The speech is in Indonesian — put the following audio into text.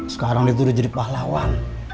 sekarang dia tuh udah jadi pahlawan